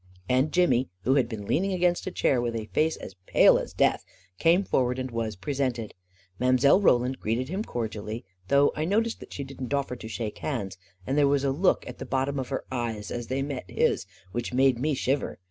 And Jimmy, who had been leaning against a chair, with a face as pale as death, came forward and was presented. Mile. Roland greeted him cordially, though I noticed that she didn't offer to shake hands, and there was a look at the bottom of her eyes as they met his which made me shiver.